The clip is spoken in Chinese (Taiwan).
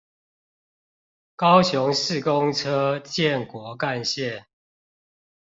高雄市公車建國幹線